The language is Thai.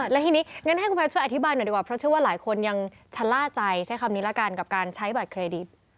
และทีนี้งั้นให้คุณแยช่วยอธิบายหน่อยดีกว่าเพราะเชื่อว่าหลายคนยังชะล่าใจใช้คำนี้ละกันกับการใช้บัตรเครดิต